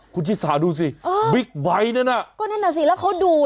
คุณชิสาดูสิเออบิ๊กไบท์นั่นน่ะก็นั่นน่ะสิแล้วเขาดู